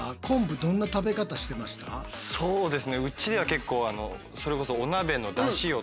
そうですね